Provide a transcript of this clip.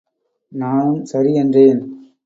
நானும் சரி என்றேன்.